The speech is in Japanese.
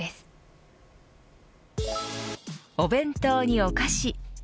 お弁当にお菓子。